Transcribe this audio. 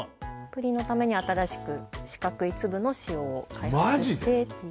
プリンのために新しく四角い粒の塩を開発してっていうマジで？